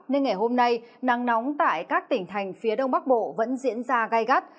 nên ngày hôm nay nắng nóng tại các tỉnh thành phía đông bắc bộ vẫn diễn ra gai gắt